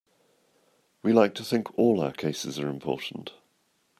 We like to think all our cases are important.